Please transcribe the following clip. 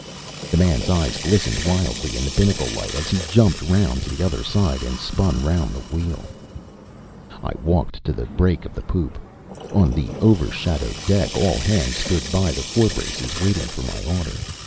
The man's eyes glistened wildly in the binnacle light as he jumped round to the other side and spun round the wheel. I walked to the break of the poop. On the over shadowed deck all hands stood by the forebraces waiting for my order.